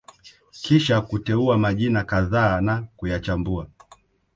kisha kuteua majina kadhaa na kuyachambua